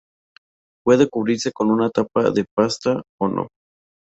Puede cubrirse con una tapa de pasta o no.